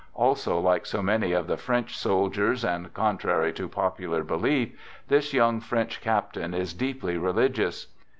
Also like so many of the French soldiers, and contrary to popular belief, this young French cap tain is deeply religious.